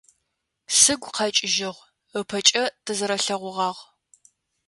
Сыгу къэкӏыжьыгъ, ыпэкӏэ тызэрэлъэгъугъагъ.